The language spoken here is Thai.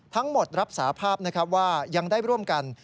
ทั้งหมดรับสาภาพว่ายังได้ร่วมกัน